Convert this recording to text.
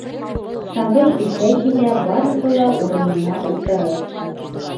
Сабый үҫә килә барыһы ла урынына ултырыр.